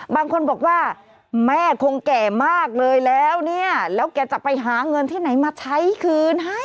บางคนบอกว่าแม่คงแก่มากเลยแล้วเนี่ยแล้วแกจะไปหาเงินที่ไหนมาใช้คืนให้